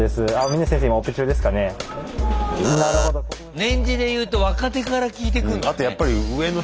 年次でいうと若手から聞いてくんだね。